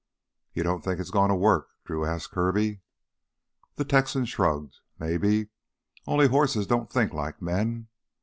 "You don't think it's goin' to work?" Drew asked Kirby. The Texan shrugged. "Maybe, only hosses don't think like men.